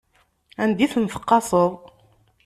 Anda i ten-tqaseḍ?